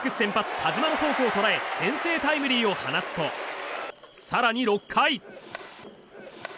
田嶋のフォークを捉え先制タイムリーを放つと更に６回。